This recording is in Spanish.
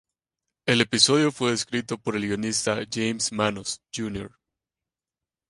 El episodio fue escrito por el guionista James Manos, Jr.